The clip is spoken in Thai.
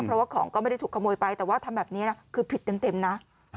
เพราะว่าของก็ไม่ได้ถูกขโมยไปแต่ว่าทำแบบนี้นะคือผิดเต็มนะ